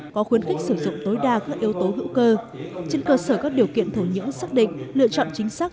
có khuyến khích sử dụng tối đa các yếu tố hữu cơ trên cơ sở các điều kiện thổ nhưỡng xác định lựa chọn chính xác